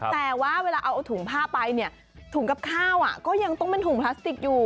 แต่ว่าเวลาเอาถุงผ้าไปเนี่ยถุงกับข้าวก็ยังต้องเป็นถุงพลาสติกอยู่